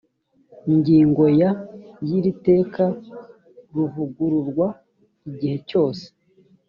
ngingo ya y iri teka ruvugururwa igihe cyose